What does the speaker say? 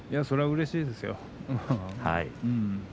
それはうれしいですよ。